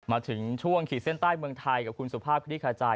มาถึงช่วงขีดเส้นใต้เมืองไทยกับคุณสุภาพคลิกขจาย